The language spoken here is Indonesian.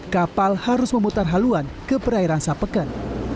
kapal harus memutar haluan ke perairan sapeken